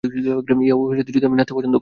Yeah হোওওও যদিও আমি নাচতে পছন্দ করি।